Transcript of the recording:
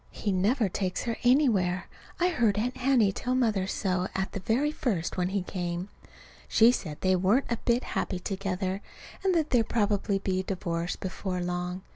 He never takes her anywhere. I heard Aunt Hattie tell Mother so at the very first, when he came. She said they weren't a bit happy together, and that there'd probably be a divorce before long.